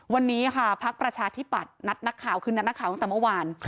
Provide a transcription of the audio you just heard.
วันนี้ค่ะพักประชาธิปัตย์นัดนักข่าวคือนัดนักข่าวตั้งแต่เมื่อวาน